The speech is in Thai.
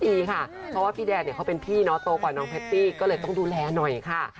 เพราะว่าพี่แดนเนี่ยเขาเป็นพี่เนาะโตกว่าน้องแพตตี้ก็เลยต้องดูแลหน่อยค่ะ